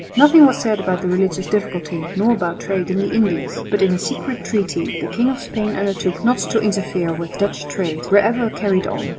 Nothing was said about the religious difficulty nor about trade in the Indies, but in a secret treaty the King of Spain undertook not to interfere with Dutch trade, wherever carried on.